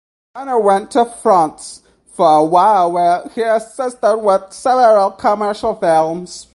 Tanner went to France for a while where he assisted with several commercial films.